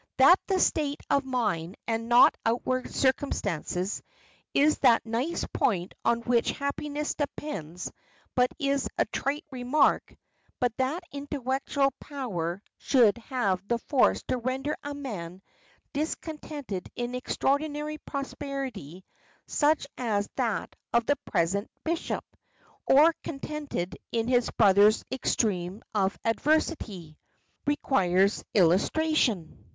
That the state of the mind, and not outward circumstances, is the nice point on which happiness depends is but a trite remark; but that intellectual power should have the force to render a man discontented in extraordinary prosperity, such as that of the present bishop, or contented in his brother's extreme of adversity, requires illustration.